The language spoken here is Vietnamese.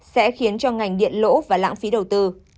sẽ khiến cho ngành điện lỗ và lãng phí đầu tư